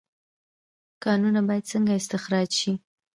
کانونه باید څنګه استخراج شي؟